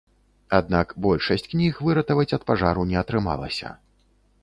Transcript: Аднак большасць кніг выратаваць ад пажару не атрымалася.